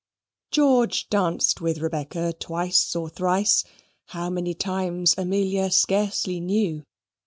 George danced with Rebecca twice or thrice how many times Amelia scarcely knew.